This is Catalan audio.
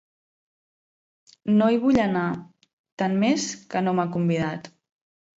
No hi vull anar; tant més que no m'ha convidat.